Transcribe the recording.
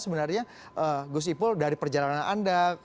sebenarnya gus ipul dari perjalanan anda